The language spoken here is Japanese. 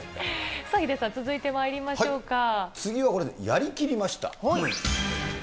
ヒデさん、続いてまいりまし次はこれ、やりきりました。